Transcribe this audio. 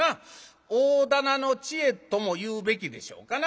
大店の知恵とも言うべきでしょうかな。